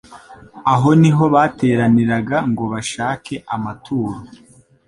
Aho ni ho bateraniraga ngo bashake amaturo.